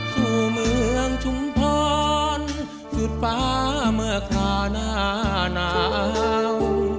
คู่เมืองชุมพรสุดฟ้าเมื่อคราวหน้าหนาว